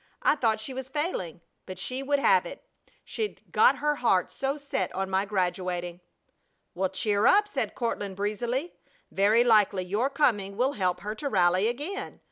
I thought she was failing! But she would have it! She'd got her heart so set on my graduating!" "Well, cheer up!" said Courtland, breezily. "Very likely your coming will help her to rally again!